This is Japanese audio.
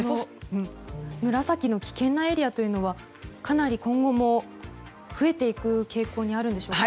紫の危険なエリアというのはかなり今後も増えていく傾向にあるんでしょうか？